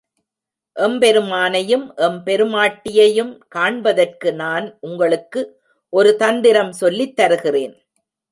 எம்பெருமானையும் எம் பெருமாட்டியையும் காண்பதற்கு நான் உங்களுக்கு ஒரு தந்திரம் சொல்லித் தருகிறேன்.